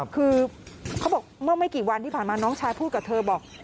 คือเขาบอกเมื่อไม่กี่วันที่ผ่านมาน้องชายพูดกับเธอบอก